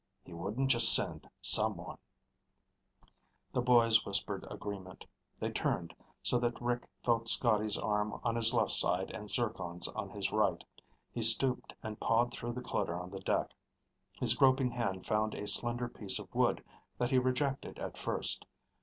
He wouldn't just send someone." The boys whispered agreement. They turned, so that Rick felt Scotty's arm on his left side and Zircon's on his right. He stooped and pawed through the clutter on the deck. His groping hand found a slender piece of wood that he rejected at first.